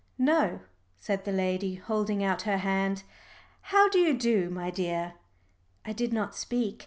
"No," said the lady, holding out her hand. "How do you do, my dear?" I did not speak.